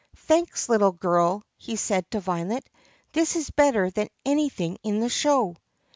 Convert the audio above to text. "Thanks, little girl!" he said to Violet. "This is better than anything in the show."